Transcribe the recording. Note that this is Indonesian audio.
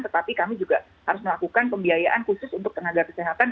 tetapi kami juga harus melakukan pembiayaan khusus untuk tenaga kesehatan